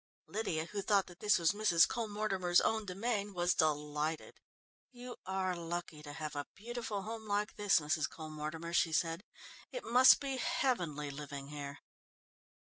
Lydia, who thought that this was Mrs. Cole Mortimer's own demesne, was delighted. "You are lucky to have a beautiful home like this, Mrs. Cole Mortimer," she said, "it must be heavenly living here."